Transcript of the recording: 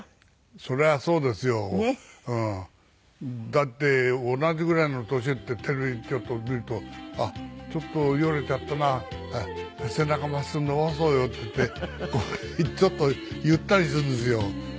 だって同じぐらいの年ってテレビちょっと見ると「あっちょっとよれちゃったな。背中真っすぐ伸ばそうよ」ってちょっと言ったりするんですよ。